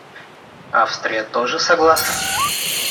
Австрия тоже согласна?